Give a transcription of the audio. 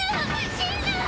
死ぬ！